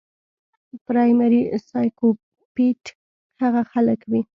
پرايمري سايکوپېت هغه خلک وي